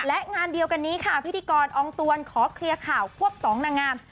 และงานเดียวกันนี้ค่ะพิธีกรองตวนขอเคลียร์ข่าวควบสองนางงาม